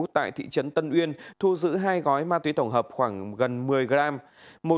tại thị trấn tân uyên thu giữ hai gói ma túy tổng hợp khoảng gần một mươi gram